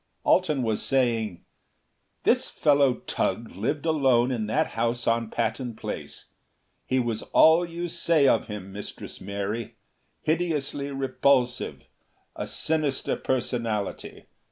Alten was saying, "This fellow Tugh lived alone in that house on Patton Place. He was all you say of him, Mistress Mary. Hideously repulsive. A sinister personality.